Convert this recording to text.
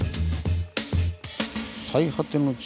「“最果ての地”